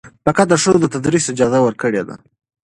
فقهاء ښځو ته د تدریس اجازه ورکړې ده.